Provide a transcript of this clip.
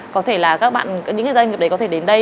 có thể là những doanh nghiệp đấy có thể đến đây